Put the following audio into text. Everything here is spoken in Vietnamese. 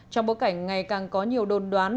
trong bối cảnh ngày càng có nhiều đồn đoán